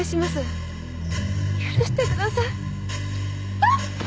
あっ！